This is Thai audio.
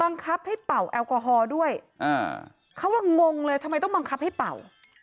บังคับให้เป่าแอลกอฮอล์ด้วยอ่าเขาว่างงเลยทำไมต้องบังคับให้เป่า